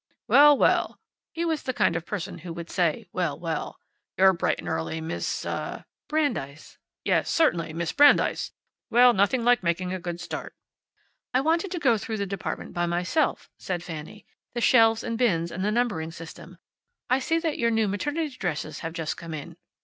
"Well, well!" he was the kind of person who would say, well, well! "You're bright and early, Miss ah " "Brandeis." "Yes, certainly; Miss Brandeis. Well, nothing like making a good start." "I wanted to go through the department by myself," said Fanny. "The shelves and bins, and the numbering system. I see that your new maternity dresses have just come in."